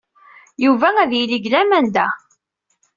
Yuba ad yili deg laman da.